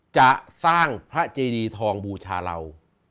จะสร้างพระเจดีทองบูชาเรา